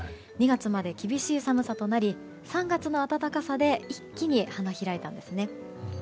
２月まで厳しい寒さとなり３月の暖かさで一気に花開いたんですね。